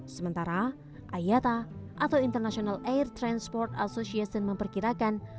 sementara ayata atau international air transport association memperkirakan